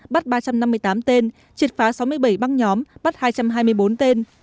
bắt ba trăm năm mươi tám tên triệt phá sáu mươi bảy băng nhóm bắt hai trăm hai mươi bốn tên